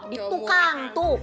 itu kang tuh